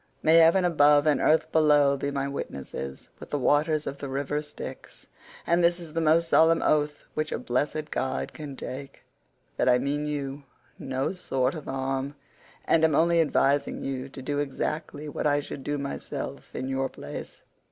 May heaven above and earth below be my witnesses, with the waters of the river Styx—and this is the most solemn oath which a blessed god can take—that I mean you no sort of harm, and am only advising you to do exactly what I should do myself in your place.